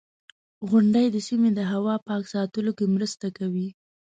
• غونډۍ د سیمې د هوا پاک ساتلو کې مرسته کوي.